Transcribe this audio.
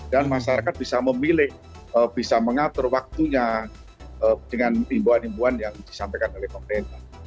dan masyarakat bisa memilih bisa mengatur waktunya dengan himbauan himbauan yang disampaikan oleh pemerintah